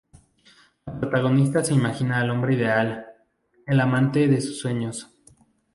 La protagonista se imagina al hombre ideal, el "amante de sus sueños".